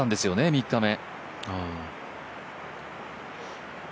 ３日目。